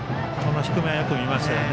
低めはよく見ますよね。